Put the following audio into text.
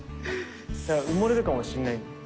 だから埋もれるかもしれない。